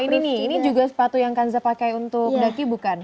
ini nih ini juga sepatu yang kanza pakai untuk daki bukan